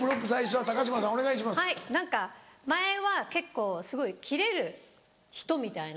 はい何か前は結構すごいキレる人みたいな。